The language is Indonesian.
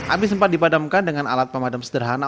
api sempat dipadamkan dengan alat pemadam sederhana